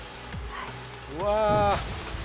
うわ。